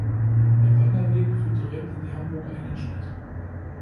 Der Wanderweg führt direkt in die Hamburger Innenstadt.